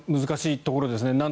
難しいところですね。